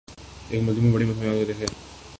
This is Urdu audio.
اورملزمان بڑی معصومیت سے کہتے ہیں۔